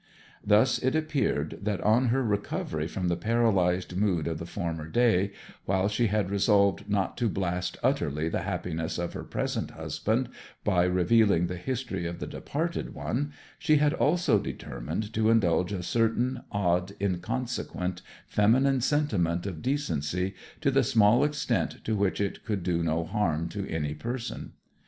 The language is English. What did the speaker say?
Thus it appeared that, on her recovery from the paralyzed mood of the former day, while she had resolved not to blast utterly the happiness of her present husband by revealing the history of the departed one, she had also determined to indulge a certain odd, inconsequent, feminine sentiment of decency, to the small extent to which it could do no harm to any person.